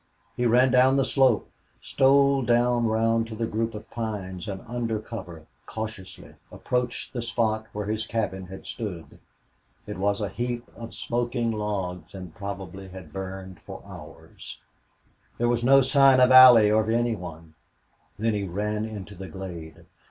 He ran down the slope, stole down round to the group of pines, and under cover, cautiously, approached the spot where his cabin had stood. It was a heap of smoking logs and probably had burned for hours. There was no sign of Allie or of any one. Then he ran into the glade.